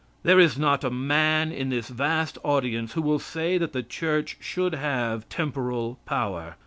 There is not a man in this vast audience who will say that the church should have temporal power.